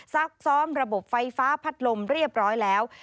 ซักซ้อมระบบไฟฟ้าพัดลมเรียบร้อยแล้ว